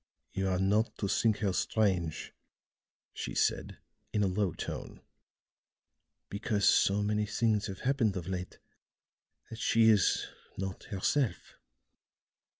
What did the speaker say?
"You are not to think her strange," she said in a low tone, "because so many things have happened of late that she is not herself."